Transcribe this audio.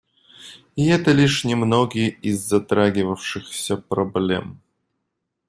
И это лишь немногие из затрагивавшихся проблем.